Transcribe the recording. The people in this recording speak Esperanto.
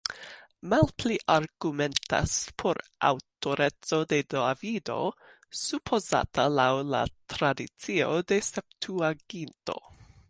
Malpli argumentas por aŭtoreco de Davido, supozata laŭ la tradicio de Septuaginto.